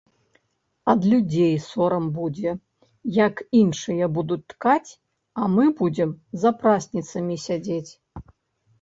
Ад людзей сорам будзе, як іншыя будуць ткаць, а мы будзем за прасніцамі сядзець.